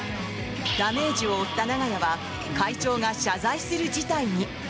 ダメージを負った長屋は会長が謝罪する事態に。